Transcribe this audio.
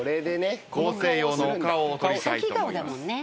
合成用のお顔を撮りたいと思います。